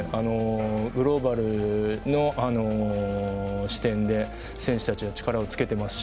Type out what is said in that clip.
グローバルの視点で選手たちは力をつけてますし。